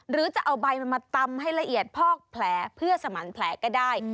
หรือจะเอาใบมันมาตำให้ละเอียดพอกแผลเพื่อสมันแผลก็ได้